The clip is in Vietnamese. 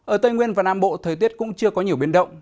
ở tây nguyên và nam bộ thời tiết cũng chưa có nhiều biến động